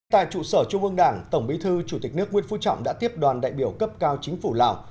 tại trụ sở trung ương đảng tổng bí thư chủ tịch nước nguyễn phú trọng đã tiếp đoàn đại biểu cấp cao chính phủ lào